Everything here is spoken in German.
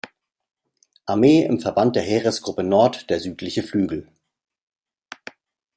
Armee im Verband der Heeresgruppe Nord der südliche Flügel.